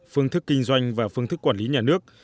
phương thức kinh doanh và phương thức quản lý nhà nước